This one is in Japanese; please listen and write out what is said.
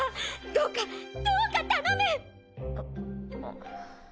どうかどうか頼むっ！